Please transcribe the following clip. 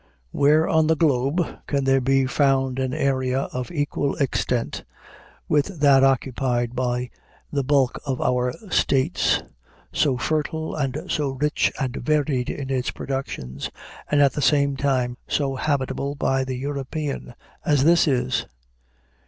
Where on the globe can there be found an area of equal extent with that occupied by the bulk of our States, so fertile and so rich and varied in its productions, and at the same time so habitable by the European, as this is?